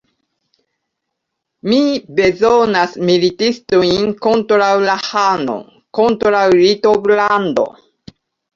Mi bezonas militistojn kontraŭ la ĥano, kontraŭ Litovlando.